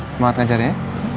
semangat ngajarnya ya